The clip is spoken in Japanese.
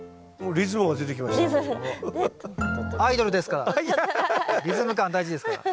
リズム感大事ですから。